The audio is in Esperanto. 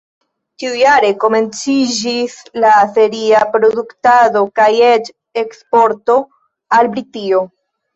Tiujare komenciĝis la seria produktado kaj eĉ eksporto al Britio.